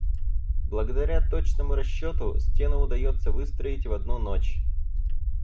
Благодаря точному расчёту, стену удаётся выстроить в одну ночь.